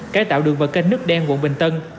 cải tạo đường và kênh nước đen quận bình tân